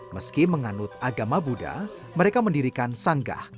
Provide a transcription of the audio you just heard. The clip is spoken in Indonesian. meski menganut agama buddha mereka mendirikan sanggah